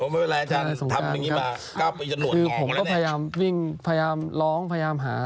เวลาอาจารย์ทำอย่างนี้มาคือผมก็พยายามวิ่งพยายามร้องพยายามหา